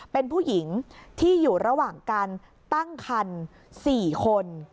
เป็นผู้หญิงที่อยู่ระหว่างการตั้งคัน๔คน